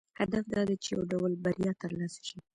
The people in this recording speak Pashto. هدف دا دی چې یو ډول بریا ترلاسه شي.